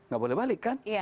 gak boleh balik kan